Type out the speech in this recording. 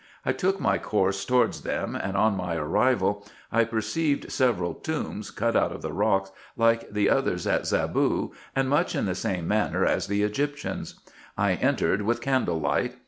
I took my course towards them ; and on my arrival, I perceived several tombs cut out of the rock, like the others at Zaboo, and much in the same manner as the Egyptians. I entered with candle light.